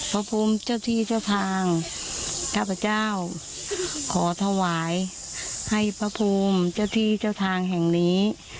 พระพรมเจ้าที่เจ้าทางข้าพเจ้าขอถวายให้พระภูมิเจ้าที่เจ้าทางแห่งนี้